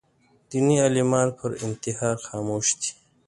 دیني عالمان پر انتحار خاموش دي